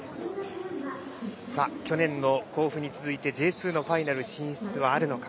去年の甲府に続いてＪ２のファイナル進出はあるのか。